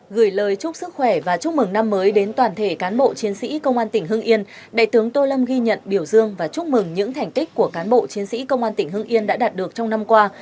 gửi lời chúc sức khỏe và chúc mừng năm mới đến toàn thể cán bộ chiến sĩ công an tỉnh hưng yên đại tướng tô lâm ghi nhận biểu dương và chúc mừng những thành tích của cán bộ chiến sĩ công an tỉnh hưng yên đã đạt được trong năm qua